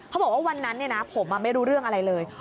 บอกว่าวันนั้นผมไม่รู้เรื่องอะไรเลย